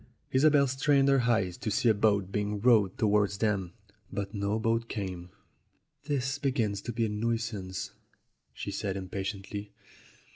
Isobel strained her eyes to see a boat being rowed towards them, but no boat came. "This begins to be a nuisance," she said impatiently.